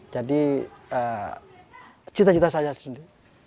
jadi cita cita saya sendiri